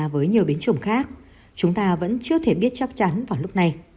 với nhiều biến chủng khác chúng ta vẫn chưa thể biết chắc chắn vào lúc này